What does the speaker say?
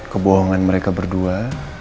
kebohongan mereka berdua